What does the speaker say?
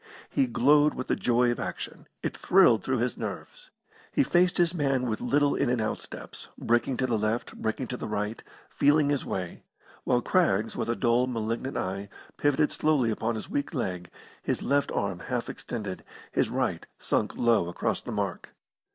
He glowed with the joy of action; it thrilled through his nerves. He faced his man with little in and out steps, breaking to the left, breaking to the right, feeling his way, while Craggs, with a dull, malignant eye, pivoted slowly upon his weak leg, his left arm half extended, his right sunk low across the mark.